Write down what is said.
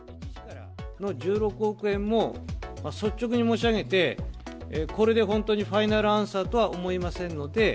１６億円も率直に申し上げて、これで本当にファイナルアンサーとは思えませんので。